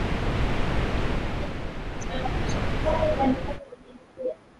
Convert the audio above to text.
Alimpa maelekezo yote na kuhusu funguo pia